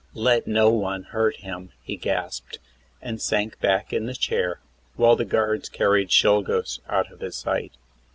"Let no one hurt him," he gasped, and sank back in the chair, while the guards carried Czolgosz out of his sight.